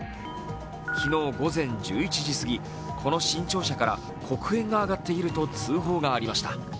昨日午前１１時すぎ、この新庁舎から黒煙が上がっていると通報がありました。